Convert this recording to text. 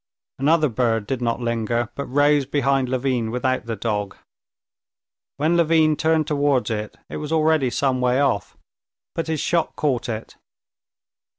Another bird did not linger, but rose behind Levin without the dog. When Levin turned towards it, it was already some way off. But his shot caught it.